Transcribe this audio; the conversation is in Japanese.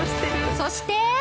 そして